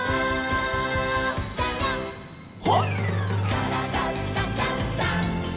「からだダンダンダン」